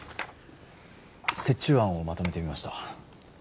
折衷案をまとめてみました